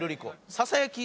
ささやき。